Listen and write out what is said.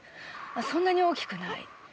そんなに大きくない。